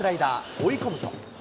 追い込むと。